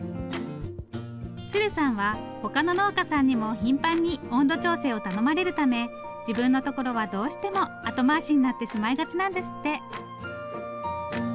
鶴さんは他の農家さんにも頻繁に温度調整を頼まれるため自分のところはどうしても後回しになってしまいがちなんですって。